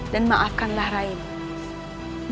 dan maafkanlah raimu